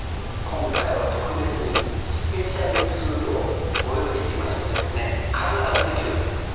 今回は特別にスペシャルツールをご用意していますので必ずできるようになります。